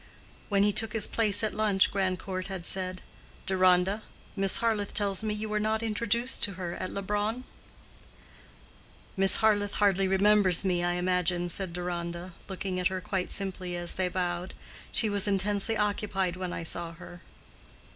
When he took his place at lunch, Grandcourt had said, "Deronda, Miss Harleth tells me you were not introduced to her at Leubronn?" "Miss Harleth hardly remembers me, I imagine," said Deronda, looking at her quite simply, as they bowed. "She was intensely occupied when I saw her."